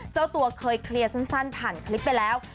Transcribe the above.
เจ้าตัวเคยเคลียร์สั้นผ่านคลิปไปแล้ว